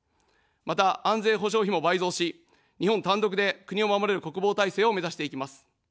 また、安全保障費も倍増し、日本単独で国を守れる国防体制を目指していきます。